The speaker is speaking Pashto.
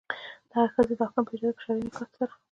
دغې ښځې د حاکم په اجازه په شرعي نکاح سره.